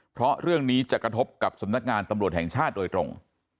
เพราะเรื่องนี้จะกระทบกับสำนักงานตำรวจแห่งชาติโดยตรง